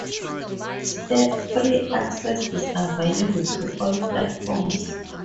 Step-free access is available to all platforms.